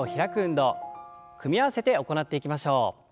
組み合わせて行っていきましょう。